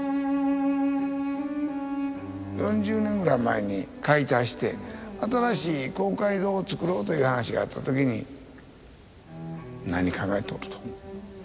４０年ぐらい前に解体して新しい公会堂をつくろうという話があった時に何考えとると。